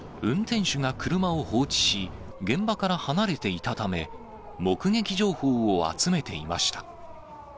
運転手が車を放置し、現場から離れていたため、目撃情報を集めていました。